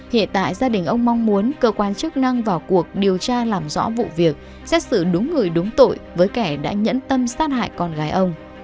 hiện tại gia đình ông mong muốn cơ quan chức năng vào cuộc điều tra làm rõ vụ việc xét xử đúng người đúng tội với kẻ đã nhẫn tâm sát hại con gái ông